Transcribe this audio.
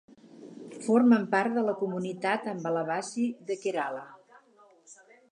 Formen part de la comunitat Ambalavasi de Kerala.